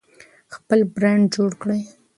خپل برند جوړ کړئ.